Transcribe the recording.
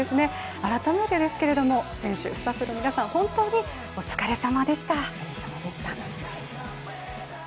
改めてですけれども選手、スタッフの皆さん、本当にお疲れさまでした。